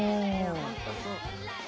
本当そう。